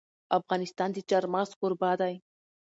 افغانستان د چار مغز کوربه دی.